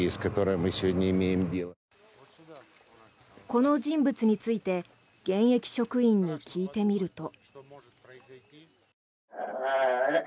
この人物について現役職員に聞いてみると。